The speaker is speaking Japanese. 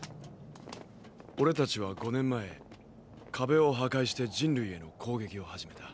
俺たちは５年前壁を破壊して人類への攻撃を始めた。